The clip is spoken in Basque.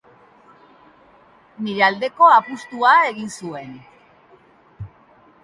Nire aldeko apustua egin zuen.